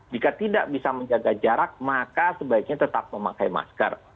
jika tidak bisa menjaga jarak maka sebaiknya tetap memakai masker